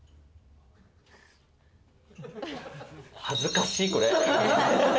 恥ずかしい、これ。